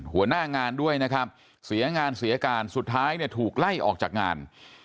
หัวหน้างานด้วยนะครับเสียงานเสียการสุดท้ายเนี่ยถูกไล่ออกจากงาน